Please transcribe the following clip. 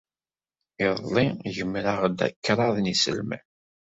Iḍelli, gemreɣ-d kraḍ n yiselman.